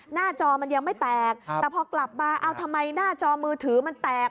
จอมันยังไม่แตกแต่พอกลับมาเอาทำไมหน้าจอมือถือมันแตก